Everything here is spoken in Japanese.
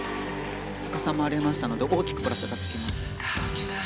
高さもありましたので大きくプラスがつきます。